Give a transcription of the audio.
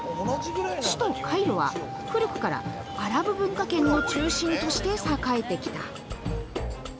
首都カイロは古くからアラブ文化圏の中心として栄えてきた。